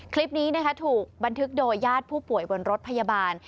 คลิปนี้นะคะถูกบันทึกโดยญาติผู้ป่วยบนรถพยาบาล